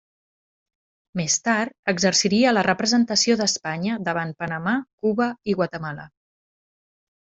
Més tard exerciria la representació d'Espanya davant Panamà, Cuba i Guatemala.